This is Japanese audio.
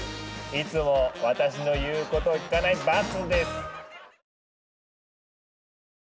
いつも私の言うこと聞かない罰です！